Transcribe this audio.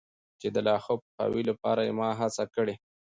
چي د لا ښه پوهاوي لپاره یې ما هڅه کړي.